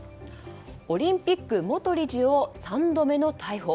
オリンピック元理事を３度目の逮捕。